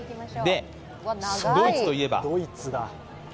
ドイツといえば。